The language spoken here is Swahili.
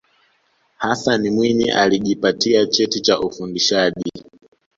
hassan mwinyi alijipatia cheti cha ufundishaji